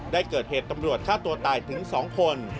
ได้เกิดเหตุตำรวจฆ่าตัวตายถึง๒คน